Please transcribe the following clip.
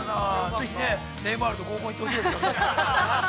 ぜひね、ネイマールと合コン行ってほしいですね。